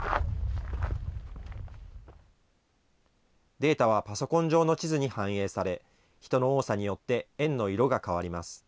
データはパソコン上の地図に反映され、人の多さによって円の色が変わります。